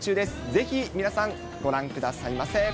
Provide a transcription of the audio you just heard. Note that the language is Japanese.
ぜひ、皆さん、ご覧くださいませ。